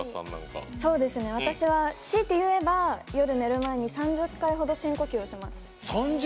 私は、しいて言えば夜、寝る前に３０回ほど深呼吸をします。